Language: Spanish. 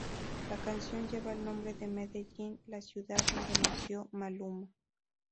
La canción lleva el nombre de Medellín, la ciudad donde nació Maluma.